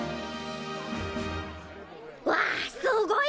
わあすごいね！